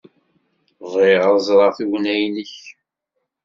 Bɣiɣ ad ẓreɣ tugna-nnek.